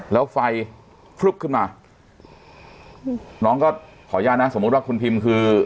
แล้วไฟพลึบขึ้นมาน้องก็ขออนุญาตนะสมมุติว่าคุณพิมคือ